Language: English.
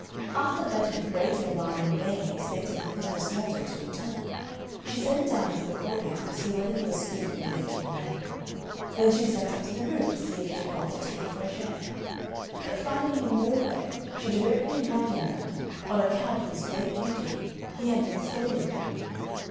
After Betta had waited a while in vain expecting Pintosmalto to return, she sent down into the courtyard to see whether he were speaking with any one there; then she sent up to the roof to see if he had gone to take fresh air; but finding him nowhere, she directly imagined that, on account of his great beauty, he had been stolen from her.